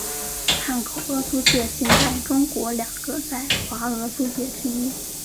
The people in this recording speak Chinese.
汉口俄租界近代中国两个在华俄租界之一。